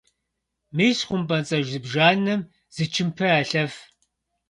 Мис хъумпӏэцӏэдж зыбжанэм зы чымпэ ялъэф.